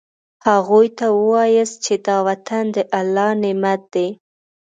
هغوی ته ووایاست چې دا وطن د الله نعمت دی.